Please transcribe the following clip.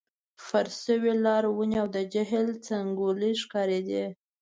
فرش شوي لار، ونې، او د جهیل څنګلوری ښکارېد.